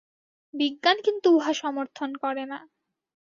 বিজ্ঞান কিন্তু উহা সমর্থন করে না।